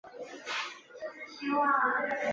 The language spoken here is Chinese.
兴和二年十月廿一日葬于邺城西面漳水以北。